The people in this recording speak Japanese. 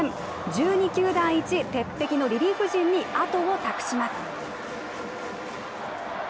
１２球団一、鉄壁のリリーフ陣にあとを託します。